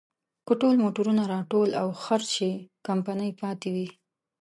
که ټول موټرونه راټول او خرڅ شي، کمپنۍ پاتې وي.